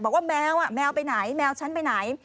บอกว่าแมวแมวไปไหนแมวฉันไปไหน